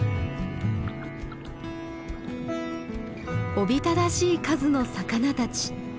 おびただしい数の魚たち。